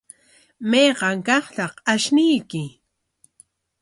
¿Mayqa kaqtaq ashnuyki?